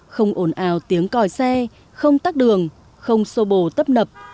không ồn ào tiếng còi xe không tắt đường không sô bồ tấp nập